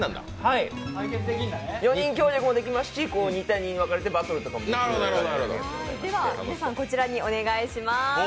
４人協力もできますし、２対２に分かれてバトルとかもできるゲームです。